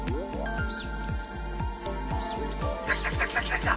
「来た来た来た来た来た来た！」